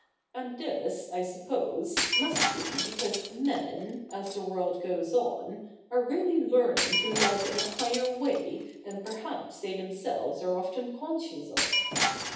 And this, I suppose, must be because men, as the world goes on, are really learning to love in a higher way than perhaps they themselves are often conscious of.'